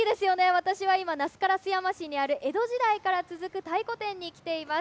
私は今、那須烏山市にある江戸時代から続く太鼓店に来ています。